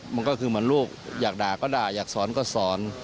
มันก็คือเหมือนลูกอยากด่าก็ด่าอยากสอนก็สอน